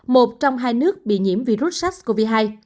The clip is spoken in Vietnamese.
một trong hai nước bị nhiễm virus sars cov hai